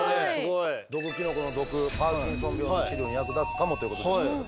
毒キノコの毒パーキンソン病の治療に役立つかもということでしたけれども。